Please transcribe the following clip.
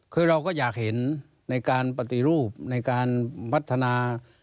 คือเราก็อยากเห็นในการปฏิรูปในการพัฒนา